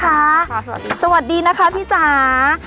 ค่ะสวัสดีสวัสดีนะคะพี่จ๋า